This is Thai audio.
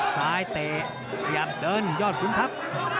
เตะพยายามเดินยอดขุนทัพ